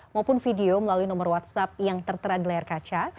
maupun video melalui nomor whatsapp yang tertera di layar kaca